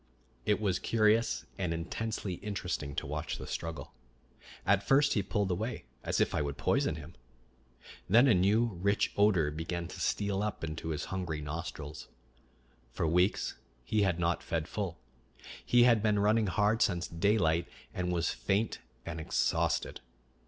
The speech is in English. It was curious and intensely interesting to watch the struggle. At first he pulled away, as if I would poison him. Then a new rich odor began to steal up into his hungry nostrils. For weeks he had not fed full; he had been running hard since daylight, and was faint and exhausted.